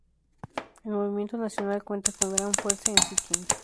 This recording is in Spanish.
El movimiento nacional cuenta con gran fuerza en Sikkim.